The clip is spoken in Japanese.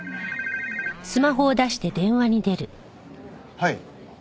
はい。